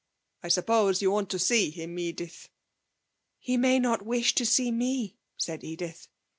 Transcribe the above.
I suppose you want to see him, Edith?' 'He may not wish to see me,' said Edith.